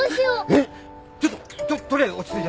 えっちょっととっ取りあえず落ち着いてね。